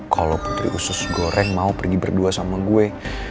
kalau putri usus goreng mau pergi berdua sama gue